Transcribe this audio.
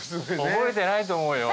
覚えてないと思うよ。